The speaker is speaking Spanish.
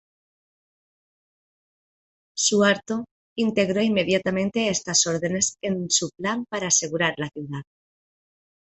Suharto integró inmediatamente estas órdenes en su plan para asegurar la ciudad.